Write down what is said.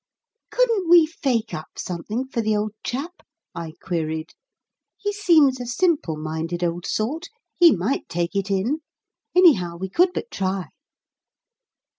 "Couldn't we fake up something for the old chap?" I queried. "He seems a simple minded old sort. He might take it in. Anyhow, we could but try."